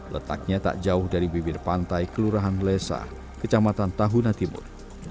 letaknya tak jauh dari bibir pantai kelurahan lesa kecamatan tahuna timur